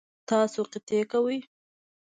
تاسو قطعی کوئ؟